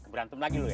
berantem lagi lu ya